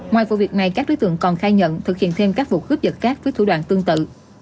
ngoài vụ việc này các đối tượng còn khai nhận thực hiện thêm các vụ cướp vật khác với thủ đoàn tương tự